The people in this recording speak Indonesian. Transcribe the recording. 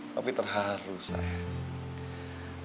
papi terharu sayang